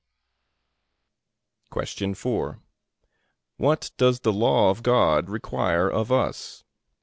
A.